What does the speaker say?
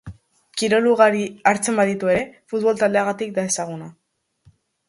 Kirol ugari hartzen baditu ere, futbol taldeagatik da ezaguna.